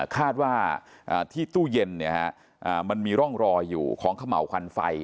คาดว่าที่ตู้เย็นมันมีร่องรอยอยู่ของเขม่าวควันไฟ